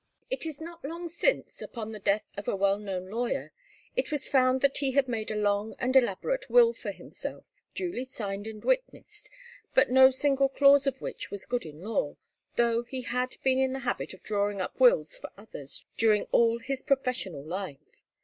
It is not long since, upon the death of a well known lawyer, it was found that he had made a long and elaborate will for himself, duly signed and witnessed, but no single clause of which was good in law, though he had been in the habit of drawing up wills for others during all his professional life.